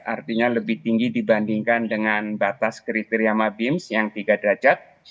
artinya lebih tinggi dibandingkan dengan batas kriteria mabims yang tiga derajat